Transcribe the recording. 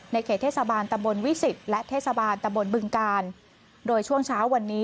เขตเทศบาลตะบนวิสิตและเทศบาลตะบนบึงกาลโดยช่วงเช้าวันนี้